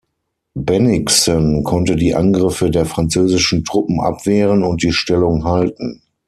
Bennigsen konnte die Angriffe der französischen Truppen abwehren und die Stellung halten.